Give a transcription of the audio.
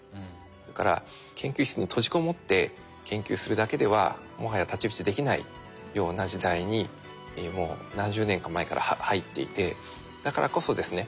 だから研究室に閉じこもって研究するだけではもはや太刀打ちできないような時代にもう何十年か前から入っていてだからこそですね